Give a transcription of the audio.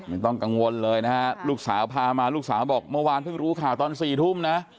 ไม่ต้องกังวลเลยนะฮะลูกสาวพามาลูกสาวบอกเมื่อวานเพิ่งรู้ข่าวตอน๔ทุ่มนะ